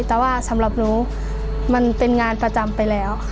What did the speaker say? แต่ว่าสำหรับหนูมันเป็นงานประจำไปแล้วค่ะ